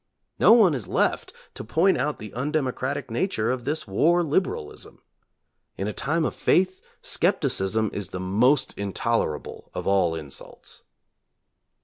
No one is left to point out the undemocratic nature of this war liberalism. In a time of faith, skepticism is the most intolerable of all insults.